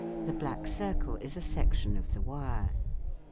The black circle is a section of the wire.